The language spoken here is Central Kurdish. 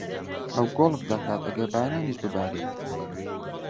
ئەو گۆڵف دەکات ئەگەر بارانیش ببارێت.